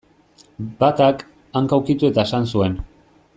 Batak, hanka ukitu eta esan zuen.